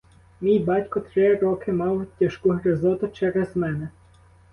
Мій батько три роки мав тяжку гризоту через мене.